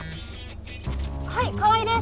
はい川合です。